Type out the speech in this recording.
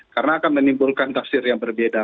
karena akan menimbulkan taksir yang berbeda